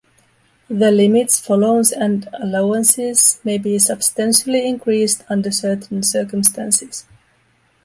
The limits for loans and allowances may be substantially increased under certain circumstances.